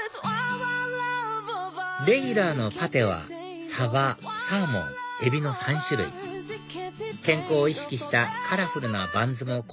レギュラーのパテはサバサーモンエビの３種類健康を意識したカラフルなバンズも好みで選べ